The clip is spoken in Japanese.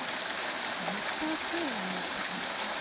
オイスターＫは持ってますけど。